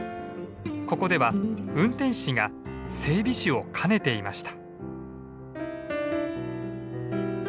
ここでは運転士が整備士を兼ねていました。